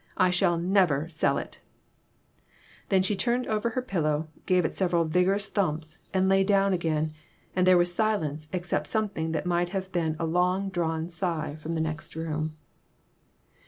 I shall never sell it !" Then she turned over her pillow, gave it several vigorous thumps, and lay down again, and there was silence, except something that might have been a long drawn sigh from the next room.